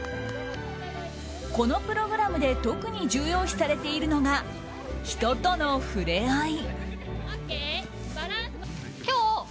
このプログラムで特に重要視されているのが人との触れ合い。